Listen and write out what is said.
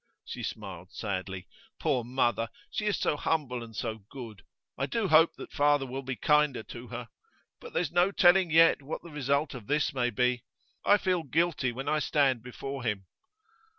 She smiled sadly. 'Poor mother! she is so humble and so good. I do hope that father will be kinder to her. But there's no telling yet what the result of this may be. I feel guilty when I stand before him.